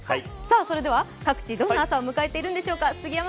それでは各地、どんな朝を迎えているのでしょうか。